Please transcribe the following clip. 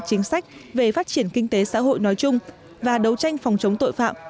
chính sách về phát triển kinh tế xã hội nói chung và đấu tranh phòng chống tội phạm